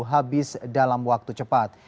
habis dalam waktu cepat